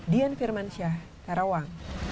dian firmansyah karawang